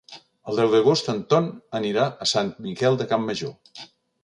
El deu d'agost en Ton anirà a Sant Miquel de Campmajor.